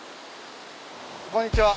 こんにちは。